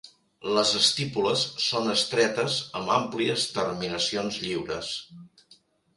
Les estípules són estretes amb àmplies terminacions lliures.